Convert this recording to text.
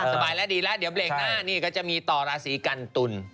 สบายแล้วดีแล้วเดี๋ยวเดียวเปลี่ยนหน้านี่กันจะมีต่อล่าสีกันตุน